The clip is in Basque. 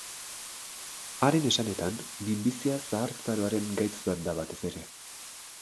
Haren esanetan, minbizia zahartzaroaren gaitz bat da batez ere.